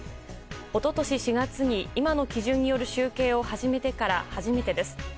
一昨年４月に今の基準による集計を始めてから初めてです。